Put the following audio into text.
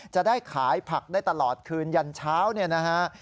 จะได้ขายผักได้ตลอดคืนยันเช้าเนี่ยนะฮะ